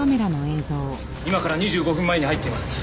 今から２５分前に入っています。